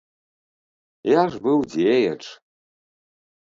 Я ж быў дзеяч!